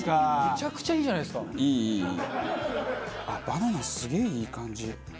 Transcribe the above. バナナすげえいい感じ。